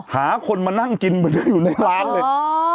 หาคนมานั่งกินอยู่ในร้านเลย